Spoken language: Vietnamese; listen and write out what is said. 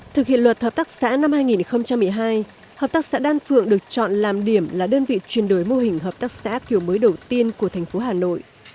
thực hiện luật hợp tác xã năm hai nghìn một mươi hai hợp tác xã đan phượng được chọn làm điểm là đơn vị chuyển đổi mô hình hợp tác xã kiểu mới đầu tiên của thành phố hà nội